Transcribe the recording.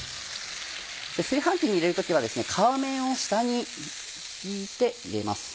炊飯器に入れる時は皮面を下に敷いて入れます。